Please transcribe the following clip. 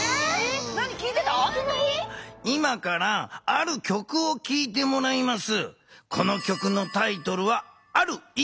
今からある曲を聴いてもらいます。